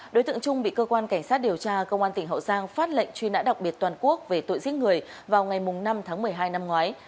đối tượng trung bị cơ quan cảnh sát điều tra công an tỉnh hậu giang phát lệnh truy nã đặc biệt toàn quốc về tội giết người vào ngày năm tháng một mươi hai năm ngoái